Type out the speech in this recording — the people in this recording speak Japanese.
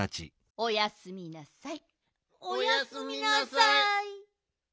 おやすみなさい。